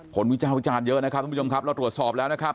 ผลวิจารณ์วิจารณ์เยอะนะครับท่านผู้ชมครับเราตรวจสอบแล้วนะครับ